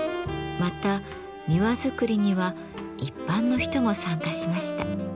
また庭作りには一般の人も参加しました。